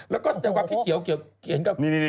แล้วก็แสดงว่าผิดเกี่ยวเห็นก็คลิปพอร์โทเตอร์